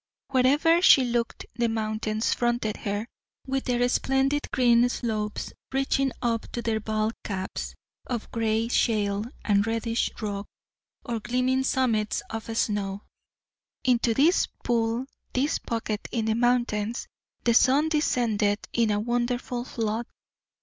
Where ever she looked the mountains fronted her, with their splendid green slopes reaching up to their bald caps of gray shale and reddish rock or gleaming summits of snow. Into this "pool" this pocket in the mountains the sun descended in a wonderful flood.